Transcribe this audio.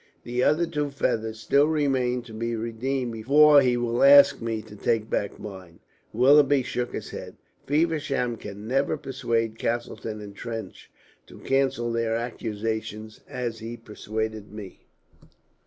The other two feathers still remain to be redeemed before he will ask me to take back mine." Willoughby shook his head. "Feversham can never persuade Castleton and Trench to cancel their accusations as he persuaded me."